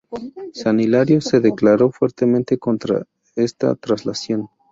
San Hilario se declaró fuertemente contra esta traslación.